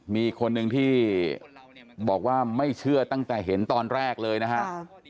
มีคนหนึ่งที่บอกว่าไม่เชื่อตั้งแต่เห็นตอนแรกเลยนะครับ